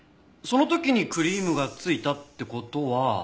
その時にクリームが付いたって事は。